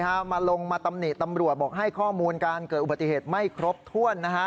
มาลงมาตำหนิตำรวจบอกให้ข้อมูลการเกิดอุบัติเหตุไม่ครบถ้วนนะฮะ